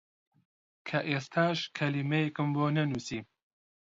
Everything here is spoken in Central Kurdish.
کە ئێستاش کەلیمەیەکم بۆ نەنووسی!